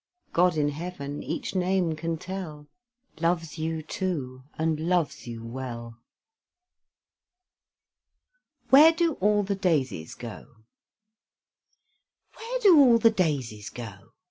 God in heaven each name can tell, Loves you, too, and loves you well. WHERE DO ALL THE DAISIES GO? Where do all the daisies go?